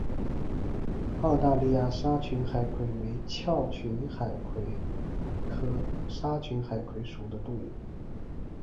澳大利亚沙群海葵为鞘群海葵科沙群海葵属的动物。